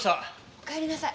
おかえりなさい。